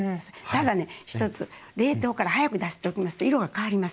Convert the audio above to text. ただね一つ冷凍から早く出しておきますと色が変わります。